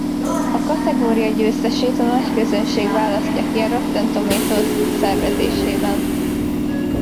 A kategória győztesét a nagyközönség választja ki a Rotten Tomatoes szervezésében.